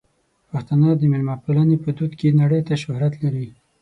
پښتانه د مېلمه پالنې په دود کې نړۍ ته شهرت لري.